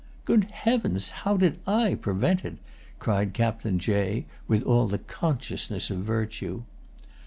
"Good heavens, how did I prevent it?" cried Captain Jay, with all the consciousness of virtue.